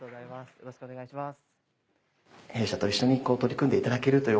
よろしくお願いします。